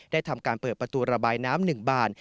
ทำการเปิดประตูระบายน้ำ๑บาน